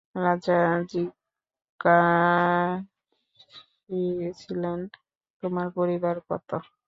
রাজা জিজ্ঞাসিলেন, তোমার পরিবার কত?